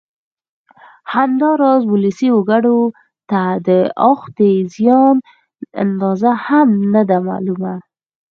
همداراز ولسي وګړو ته د اوښتې زیان اندازه هم نه ده معلومه